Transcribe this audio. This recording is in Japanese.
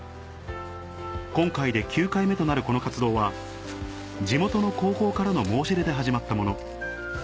今回で９回目となるこの活動は地元の高校からの申し出で始まったもの